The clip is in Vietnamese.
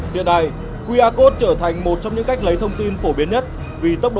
tiếng nói việt nam